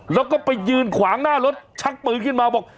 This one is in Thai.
แล้วก็ไปยืนขวางหน้ารถชักปืนขึ้นมาบอก